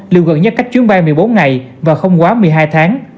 liều gần nhất cách chuyến bay một mươi bốn ngày và không quá một mươi hai tháng